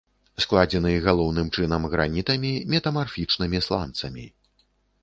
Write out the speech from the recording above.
Складзены галоўным чынам гранітамі, метамарфічнымі сланцамі.